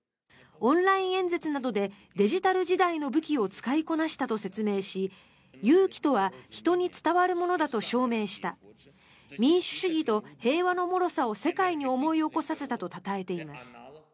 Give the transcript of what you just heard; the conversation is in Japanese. オンライン演説などでデジタル時代の武器を使いこなしたと説明し勇気とは人に伝わるものだと証明した民主主義と平和のもろさを世界に思い起こさせたとたたえています。